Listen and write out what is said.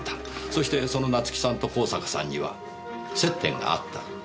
そしてその夏樹さんと香坂さんには接点があった。